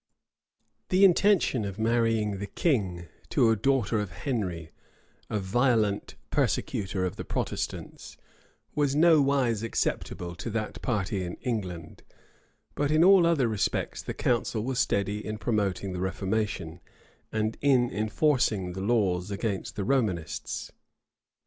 The intention of marrying the king to a daughter of Henry, a violent persecutor of the Protestants, was nowise acceptable to that party in England: but in all other respects the council was steady in promoting the reformation, and in enforcing the laws against the Romanists.